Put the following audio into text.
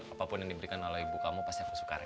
apapun yang diberikan oleh ibu kamu pasti aku suka rein